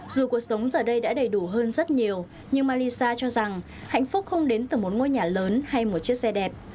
dù cuộc sống giờ đây đã đầy đủ hơn rất nhiều nhưng malisa cho rằng hạnh phúc không đến từ một ngôi nhà lớn hay một chiếc xe đẹp